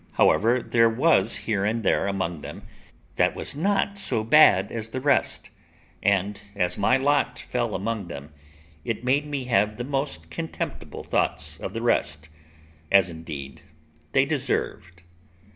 However, there was here and there one among them that was not so bad as the rest; and, as my lot fell among them, it made me have the most contemptible thoughts of the rest, as indeed they deserved.